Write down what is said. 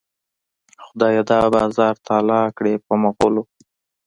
خدایه دا بازار تالا کړې په مغلو.